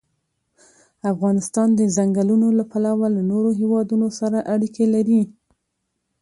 افغانستان د ځنګلونه له پلوه له نورو هېوادونو سره اړیکې لري.